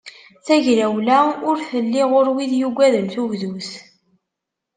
Tagrawla ur telli ɣur wid yugaden tugdut.